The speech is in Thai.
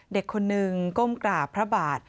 เด็กคนนึงก้มกราบพระบาท